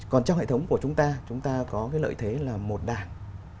còn trong hệ thống của chúng ta chúng ta có cái lợi thế là một đảng